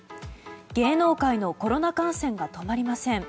芸能界のコロナ感染が止まりません。